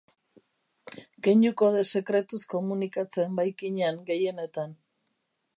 Keinu-kode sekretuz komunikatzen baikinen gehienetan.